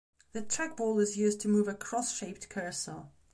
The trackball is used to move a cross-shaped cursor.